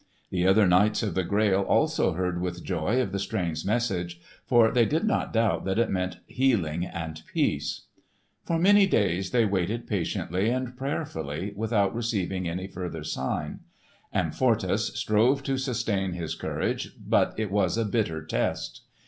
The other Knights of the Grail also heard with joy of the strange message, for they did not doubt that it meant healing and peace. For many days they waited patiently and prayerfully without receiving any further sign. Amfortas strove to sustain his courage, but it was a bitter test.